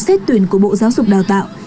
xét tuyển của bộ giáo dục đào tạo